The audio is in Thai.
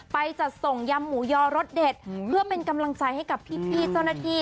จัดส่งยำหมูยอรสเด็ดเพื่อเป็นกำลังใจให้กับพี่เจ้าหน้าที่